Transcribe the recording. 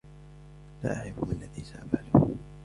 لا أعرف ما الذي سأفعله؟